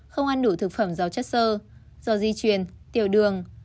không ăn đủ thực phẩm giàu chất sơ do di chuyển tiểu đường